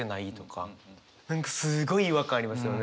何かすごい違和感ありますよね。